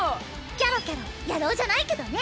キャロキャロ野郎じゃないけどね